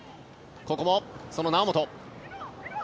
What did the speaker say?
ここもその猶本。